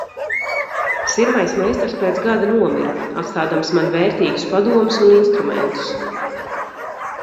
Sirmais meistars pēc gada nomira, atstādams man vērtīgus padomus un instrumentus.